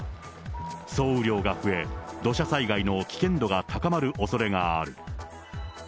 総雨量が増え、土砂災害の危険度が高まるおそれがある。